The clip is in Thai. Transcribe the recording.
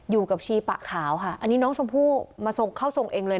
อยู่กับชีปะขาวค่ะอันนี้น้องชมพู่มาทรงเข้าทรงเองเลย